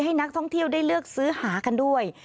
ให้นักท่องเที่ยวได้เลือกซื้อหากันด้วย